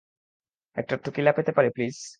একটা টেকিলা পেতে পারি, প্লিজ?